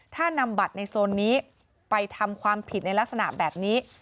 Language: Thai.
ถ้านำบัตรในโซนนี้ไปทำความผิดในลักษณะแบบนี้